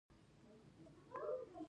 افغانستان د بدخشان له مخې پېژندل کېږي.